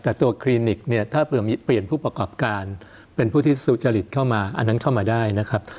แต่ตัวคลินิกเนี่ยถ้าเผื่อเปลี่ยนผู้ประกอบการเป็นผู้ที่สุจริตเข้ามาอันนั้นเข้ามาได้นะครับ